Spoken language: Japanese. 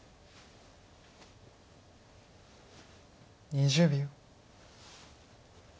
２０秒。